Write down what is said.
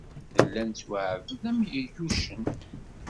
Nella nettwaɛbed am yiyucen.